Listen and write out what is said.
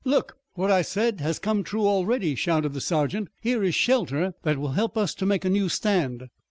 "Look! What I said has come true already!" shouted the sergeant. "Here is shelter that will help us to make a new stand!"